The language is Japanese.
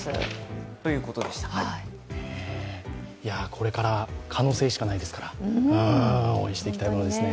これから可能性しかないですから、応援していきたいものですね。